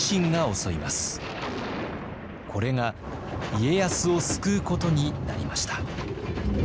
これが家康を救うことになりました。